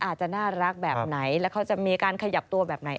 อาจจะน่ารักแบบไหนแล้วเขาจะมีการขยับตัวแบบไหน